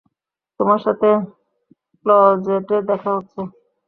তোমার সাথে ক্লজেটে দেখা হচ্ছে।